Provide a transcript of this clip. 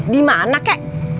di mana kek